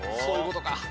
そういうことか。